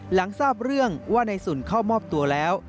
หลังทราบเรื่องว่าในสุนเข้ามอบตัวแล้ว